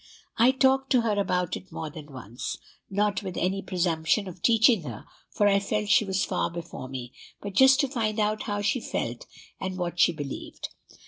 I talked to her about it more than once, not with any presumption of teaching her, for I felt she was far before me, but just to find out how she felt and what she believed.